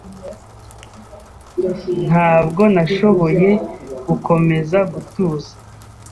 Ntabwo nashoboye gukomeza gutuza